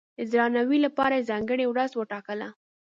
د درناوي لپاره یې ځانګړې ورځ وټاکله.